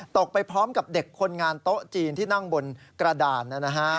ไปพร้อมกับเด็กคนงานโต๊ะจีนที่นั่งบนกระดาน